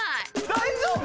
大丈夫